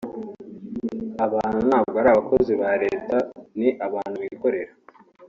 abantu ntabwo ari abakozi ba leta ni abantu bikorera